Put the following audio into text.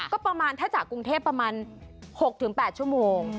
ก็ประมาณถ้าจากกรุงเทพประมาณ๖๘ชั่วโมง